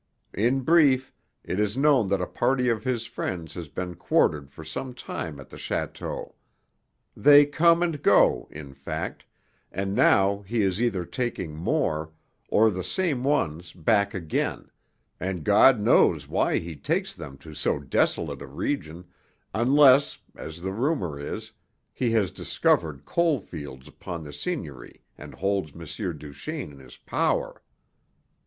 In brief, it is known that a party of his friends has been quartered for some time at the château; they come and go, in fact, and now he is either taking more, or the same ones back again, and God knows why he takes them to so desolate a region, unless, as the rumour is, he has discovered coal fields upon the seigniory and holds M. Duchaine in his power.